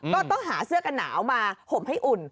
ก็ต้องหาเสื้อกันหนาวมาห่มให้อุ่น